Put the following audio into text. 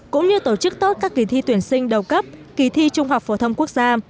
cũng như tổ chức tốt các kỳ thi tuyển sinh đầu cấp kỳ thi trung học phổ thông quốc gia